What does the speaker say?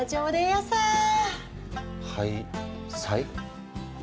はいさい？